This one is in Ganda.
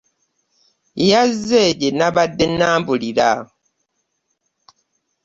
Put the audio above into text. Yazze gye nabadde n'ambuulira.